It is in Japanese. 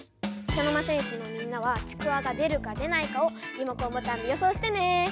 茶の間戦士のみんなはちくわが出るか出ないかをリモコンボタンで予想してね。